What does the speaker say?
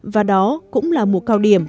và đó cũng là mùa cao điểm